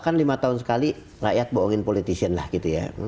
kan lima tahun sekali rakyat bohongin politician lah gitu ya